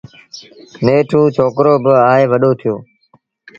نيٺ اُ ڇوڪرو با آئي وڏو ٿيو